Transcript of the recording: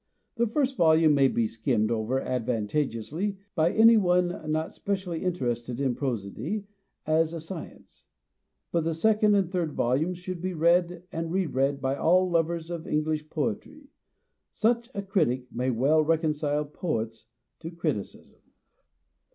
The first volume may be skimmed over advantageously by any one not specially interested in prosody as a science ; but the second and third volumes should be read and re read by all lovers of English poetry. Such a critic may well reconcile poets to criticism.